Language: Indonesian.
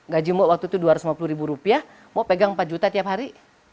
gaji mau waktu itu dua ratus lima puluh ribu rupiah mau pegang empat juta tiap hari